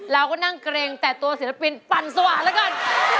เราก็นั่งเกร็งแต่ตัวศิลปินปั่นสว่างแล้วกัน